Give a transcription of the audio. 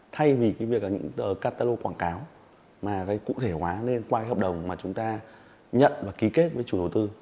thay vì những catalog quảng cáo mà cụ thể hóa lên qua hợp đồng mà chúng ta nhận và ký kết với chủ đầu tư